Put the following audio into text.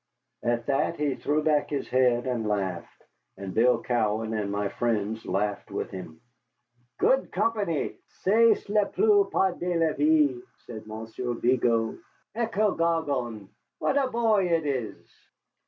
At that he threw back his head and laughed, and Bill Cowan and my friends laughed with him. "Good company c'est la plupart de la vie," said Monsieur Vigo. "Et quel garçon what a boy it is!"